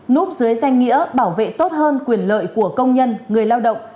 núp dưới danh nghĩa bảo vệ tốt hơn quyền lợi của công nhân người lao động